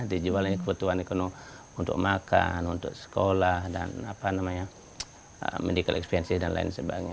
dijual kebutuhan ekonomi untuk makan untuk sekolah dan apa namanya medical expenses dan lain sebagainya